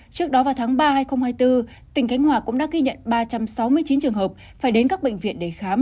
trước đó vào tháng ba hai nghìn hai mươi bốn tỉnh cánh hòa cũng đã ghi nhận ba trăm sáu mươi chín trường hợp phải đến các bệnh viện để khám